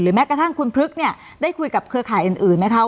หรือแม้กระทั่งคุณพลึกได้คุยกับเครือข่ายอื่นนะคะ